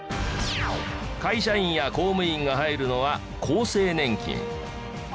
会社員や公務員が入るのは厚生年金。